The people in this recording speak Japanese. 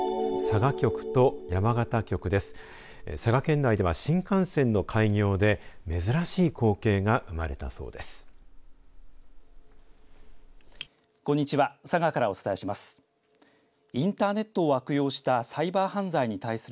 佐賀県内では新幹線の開業で珍しい光景が生まれたそうです。